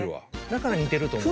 だから似てると思う。